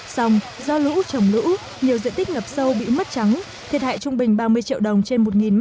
xong do lũ trồng lũ nhiều diện tích ngập sâu bị mất trắng thiệt hại trung bình ba mươi triệu đồng trên một m hai